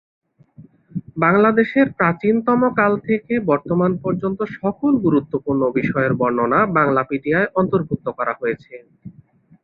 বাংলাদেশের প্রাচীনতমকাল থেকে বর্তমান পর্যন্ত সকল গুরুত্বপূর্ণ বিষয়ের বর্ণনা বাংলাপিডিয়ায় অন্তর্ভুক্ত করা হয়েছে।